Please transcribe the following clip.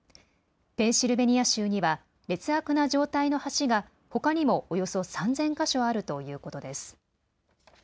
ペンシルベニア州には劣悪な状態の橋がほかにもおよそ３０００か所あるということです。